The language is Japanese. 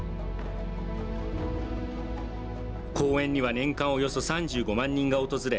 公園には年間およそ３５万人が訪れ